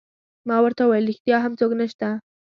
ما ورته وویل: ریښتیا هم څوک نشته؟